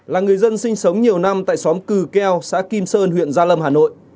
là người dân sinh sống nhiều năm tại xóm cừ keo xã kim sơn huyện gia lâm hà nội